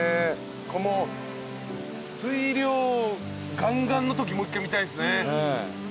この水量ガンガンのときもう１回見たいっすね。